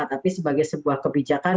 tapi sebagai sebuah kebijakan